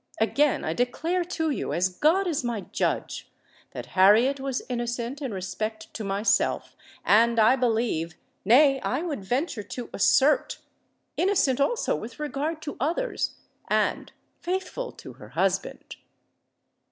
Again I declare to you—as God is my judge—that Harriet was innocent in respect to myself,—and I believe—nay, I would venture to assert—innocent also with regard to others—and faithful to her husband!"